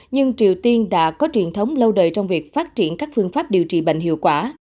nhưng triều tiên đã có truyền thống lâu đời trong việc phát triển các phương pháp điều trị bệnh hiệu quả